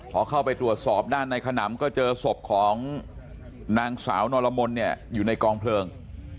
พอเข้าไปตรวจสอบด้านในขนำก็เจอศพของนางสาวนรมนเนี่ยอยู่ในกองเพลิง